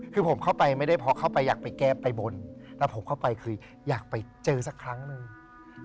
คือผมเข้าไปไม่ได้พอเข้าไปอยากไปแก้ไปบนแล้วผมเข้าไปคืออยากไปเจอสักครั้งหนึ่ง